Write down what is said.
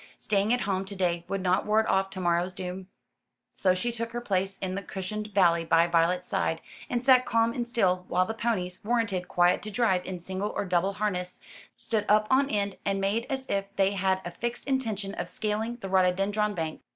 Staying at home to day would not ward off to morrow's doom. So she took her place in the cushioned valley by Violet's side, and sat calm and still, while the ponies, warranted quiet to drive in single or double harness, stood up on end and made as if they had a fixed intention of scaling the rhododendron bank.